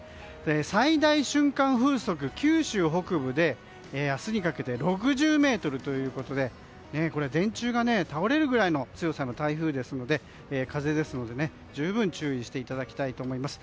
最大瞬間風速、九州北部で明日にかけて６０メートルということで電柱が倒れるぐらいの強さの風ですので十分注意をしていただきたいと思います。